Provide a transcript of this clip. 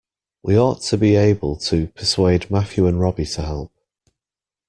We ought to be able to persuade Matthew and Robbie to help.